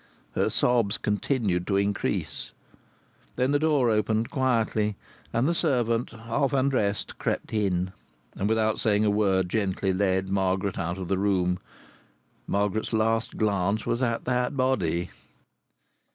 Her sobs continued to increase. Then the door opened quietly, and the servant, half undressed, crept in, and without saying a word gently led Margaret out of the room. Margaret's last glance was at that body.